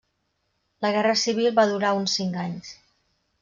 La guerra civil va durar uns cinc anys.